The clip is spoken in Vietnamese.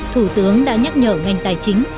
thủ tướng đã nhắc nhở ngành tài chính